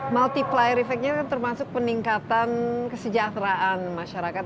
multiplier effect nya kan termasuk peningkatan kesejahteraan masyarakat